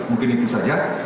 mungkin itu saja